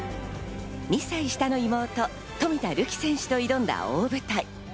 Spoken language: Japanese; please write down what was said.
２歳下の妹・冨田るき選手と挑んだ大舞台。